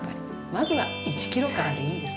まずは１ｋｇからでいいんです。